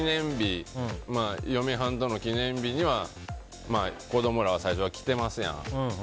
嫁はんとの記念日には子供らは最初は来てますやん。